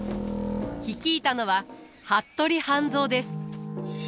率いたのは服部半蔵です。